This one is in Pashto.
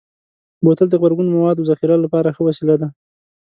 بوتل د غبرګون موادو ذخیره لپاره ښه وسیله ده.